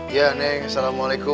iya neng assalamualaikum